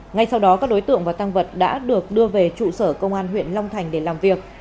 ngay sau đó các đối tượng và tăng vật đã được đưa về trụ sở công an huyện long thành để làm việc